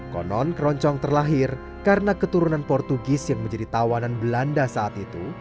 konon keroncong terlahir karena keturunan portugis yang menjadi tawanan belanda saat itu